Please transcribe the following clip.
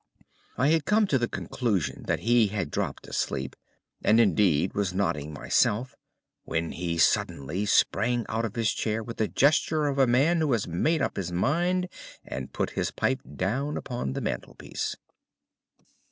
I had come to the conclusion that he had dropped asleep, and indeed was nodding myself, when he suddenly sprang out of his chair with the gesture of a man who has made up his mind and put his pipe down upon the mantelpiece.